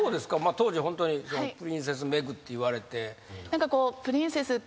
当時ホントにプリンセスメグって言われて。